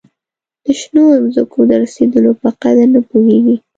د شنو مځکو د رسېدلو په قدر نه پوهیږي.